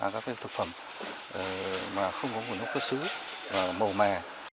các thực phẩm mà không có nốt cất xứ mà màu mè